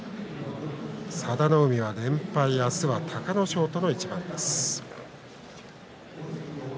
佐田の海は連敗、明日は隆の勝との一番です。